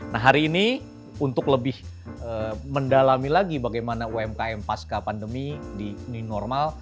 nah hari ini untuk lebih mendalami lagi bagaimana umkm pasca pandemi di new normal